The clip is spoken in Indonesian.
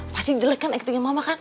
pasti jelek kan actingnya mama kan